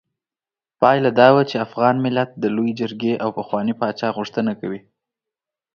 پايله دا وه چې افغان ملت د لویې جرګې او پخواني پاچا غوښتنه کوي.